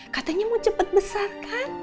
katanya mau cepat besar kan